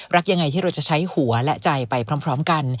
รักยังไงที่เราจะใช้หัวและใจไปพร้อมกัน